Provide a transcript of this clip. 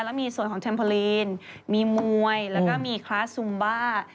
แล้วมีส่วนของเทมโพลีนมีมวยแล้วก็มีคลาสซุมบ้า